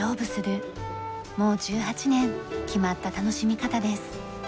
もう１８年決まった楽しみ方です。